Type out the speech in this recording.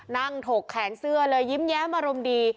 ถกแขนเสื้อเลยยิ้มแย้มอารมณ์ดี